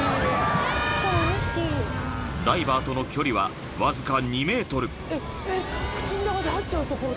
［ダイバーとの距離はわずか２ｍ］